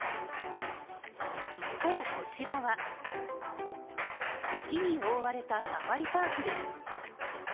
一方こちらは雪に覆われたサファリパークです。